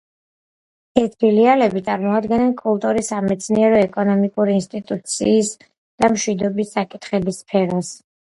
ეს ფილიალები წარმოადგენენ კულტურის, სამეცნიერო, ეკონომიკურ, იუსტიციის და მშვიდობის საკითხების სფეროს.